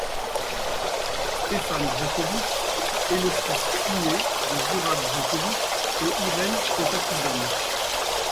Stefan Branković est le fils puiné de Đurađ Branković et Irène Cantacuzène.